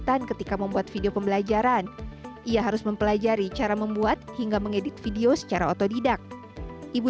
yang memanfaatkan media youtube